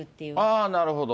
ああ、なるほど。